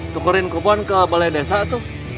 tukerin kupon ke balai desa tuh